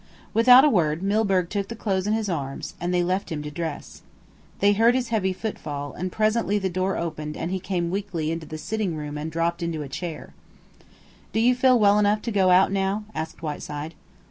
Without a word, Milburgh took the clothes in his arms, and they left him to dress. They heard his heavy footfall, and presently the door opened and he came weakly into the sitting room and dropped into a chair. "Do you feel well enough to go out now?" asked Whiteside.